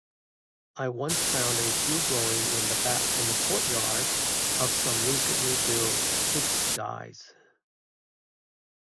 I once found a few growing in the courtyard of some recently-built pigsties.